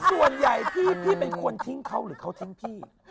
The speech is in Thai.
ส่วนใหญ่พี่เป็นคนทิ้งเขาหรือเขาทิ้งพี่